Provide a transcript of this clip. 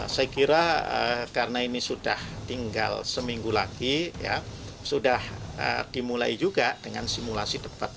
saya kira karena ini sudah tinggal seminggu lagi sudah dimulai juga dengan simulasi debat